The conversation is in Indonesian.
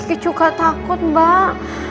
gigi juga takut mbak